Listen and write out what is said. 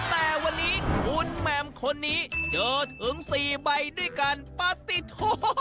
แต่วันนี้คุณแหม่มคนนี้เจอถึง๔ใบด้วยการปฏิโทษ